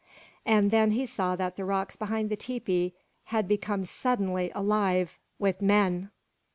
And then he saw that the rocks behind the tepee had become suddenly alive with men!